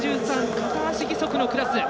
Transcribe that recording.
片足義足のクラス。